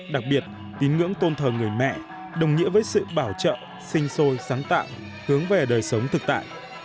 đặc biệt tín ngưỡng tôn thờ người mẹ đồng nghĩa với sự bảo trợ sinh sôi sáng tạo hướng về đời sống thực tại